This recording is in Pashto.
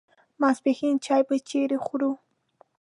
ماپښین چای به چیرې خورو.